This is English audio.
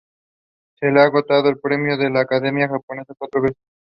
Branches are to long and bear eight to eleven spikelets.